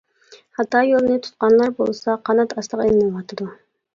خاتا يولنى تۇتقانلار بولسا قانات ئاستىغا ئېلىنىۋاتىدۇ.